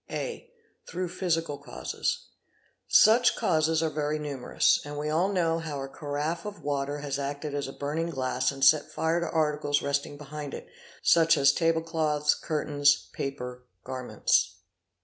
; A. Through physical causes. Such causes are very numerous; we all know how a carafe of water has acted as a burning glass and set fire to articles resting behind it, such as table cloths, curtains, paper, garments.